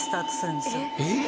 えっ？